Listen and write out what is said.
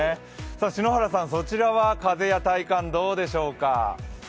篠原さん、そちらは風や体感、どうでしょうか？